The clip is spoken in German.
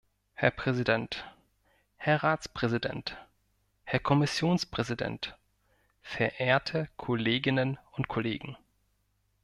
Herr Präsident, Herr Ratspräsident, Herr Kommissionspräsident, verehrte Kolleginnen und Kollegen!